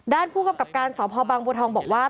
ด้านผู้กำกับการสพบางบัวทองบอกว่า